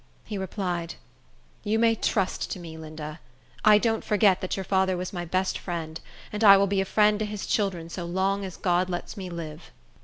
He replied, "You may trust to me, Linda. I don't forget that your father was my best friend, and I will be a friend to his children so long as God lets me live."